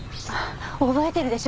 覚えてるでしょ？